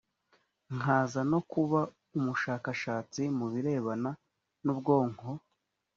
nkaza no kuba umushakashatsi mu birebana n ubwonko